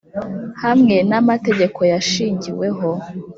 hamwe n amategeko yashingiweho ubuyobozi